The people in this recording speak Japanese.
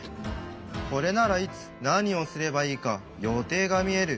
これならいつなにをすればいいかよていがみえる。